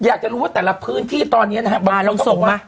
อยากจะรู้ว่าแต่ละพื้นที่ตอนนี้นะครับ